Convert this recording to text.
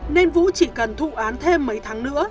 nên vũ chỉ cần thụ án thêm mấy tháng nữa